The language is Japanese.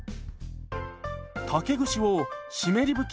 竹串を湿り拭き